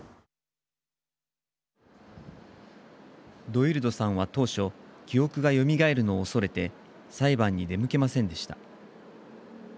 ドウィルドさんは当初記憶がよみがえるのを恐れて裁判に出向けませんでした。